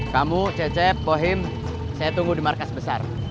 kamu cecep bohim saya tunggu di markas besar